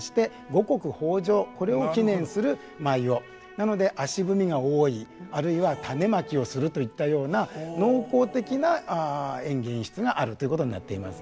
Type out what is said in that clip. なので足踏みが多いあるいは種まきをするといったような農耕的な演技演出があるということになっています。